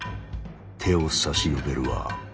手を差し伸べるは。